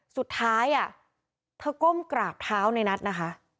สุดท้ายเธอก้มกราบเท้าในนัทนะคะ